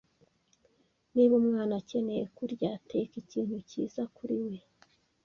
Niba umwana akeneye kurya, teka ikintu cyiza kuri we.